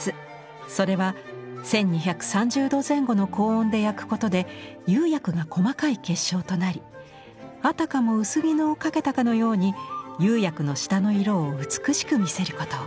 それは１，２３０度前後の高温で焼くことで釉薬が細かい結晶となりあたかも薄絹をかけたかのように釉薬の下の色を美しく見せること。